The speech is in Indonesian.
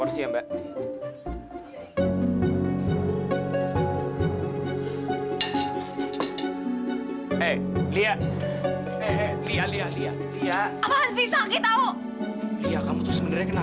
sampai jumpa di video selanjutnya